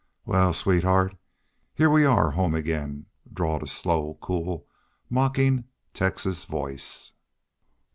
"Wal, sweetheart, heah we are home again," drawled a slow, cool, mocking Texas voice.